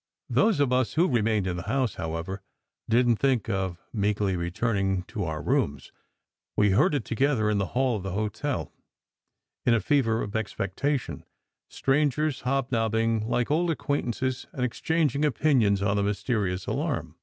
Those of us who remained in the house, however, didn t think of meekly returning to our rooms. We herded together in the hall of the hotel, in a fever of expectation, strangers hobnobbing like old acquaintances and exchanging opin ions on the mysterious alarm.